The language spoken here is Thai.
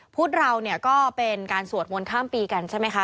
พุทธเราเนี่ยก็เป็นการสวดมนต์ข้ามปีกันใช่ไหมคะ